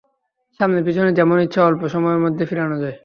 সামনে পিছনে যেমন ইচ্ছা অল্প সময়ের মধ্যে ফিরানো যায়।